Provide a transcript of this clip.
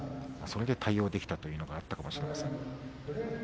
それで対応できたということがあったかもしれません。